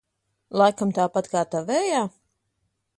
Laikam tāpat kā tavējā?